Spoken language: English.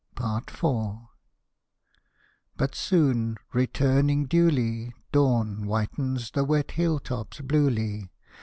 IV. But soon, returning duly, Dawn whitens the wet hill tops bluely.